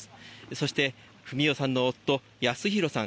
そして、文代さんの夫・保啓さん